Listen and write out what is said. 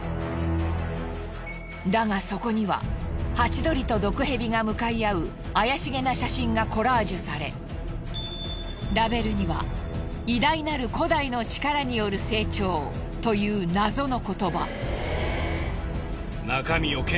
だがそこにはハチドリと毒へびが向かい合う怪しげな写真がコラージュされラベルには「偉大なる古代の力による成長」という謎の言葉。